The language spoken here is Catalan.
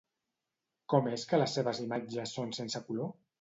Com és que les seves imatges són sense color?